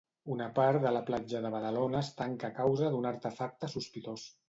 Una part d'una platja de Badalona es tanca a causa d'un artefacte sospitós.